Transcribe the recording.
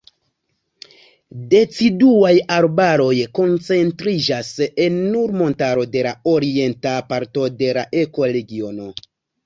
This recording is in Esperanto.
Deciduaj arbaroj koncentriĝas en Nur-Montaro en la orienta parto de la ekoregiono.